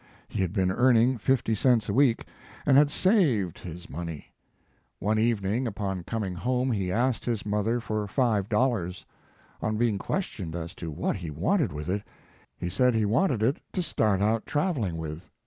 He had been earn ing fifty cents a week, and had saved his 28 Mark Twain money. One evening upon coming home he asked his mother for five dollars. On being questioned as to what he wanted with it, he said he wanted it to start out traveling with.